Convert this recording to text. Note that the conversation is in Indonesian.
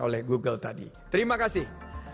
oleh google tadi terima kasih